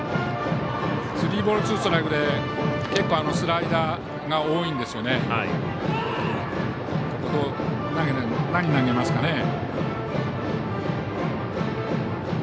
スリーボール、ツーストライクでスライダーが多いんですよね。